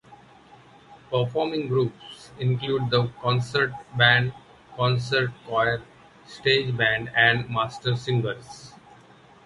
Performing groups include the Concert Band, Concert Choir, Stage Band, and Mastersingers.